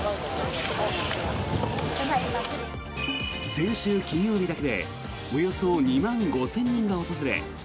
先週金曜日だけでおよそ２万５０００人が訪れ